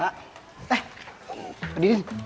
pak eh pendidik